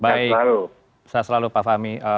baik sehat selalu pak fahmi